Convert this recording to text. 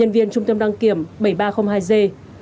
và một trong số trung tâm đăng kiểm của công an tp hcm